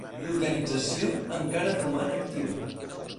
L'organització encara roman activa.